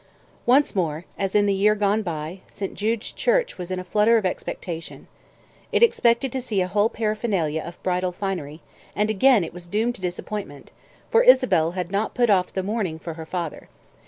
Once more, as in the year gone by, St. Jude's Church was in a flutter of expectation. It expected to see a whole paraphernalia of bridal finery, and again it was doomed to disappointment, for Isabel had not put off the mourning for her father.